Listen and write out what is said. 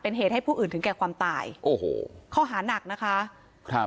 เป็นเหตุให้ผู้อื่นถึงแก่ความตายโอ้โหข้อหานักนะคะครับ